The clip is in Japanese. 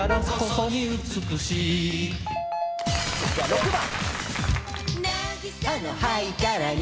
６番。